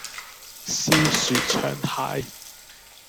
燒雪場蟹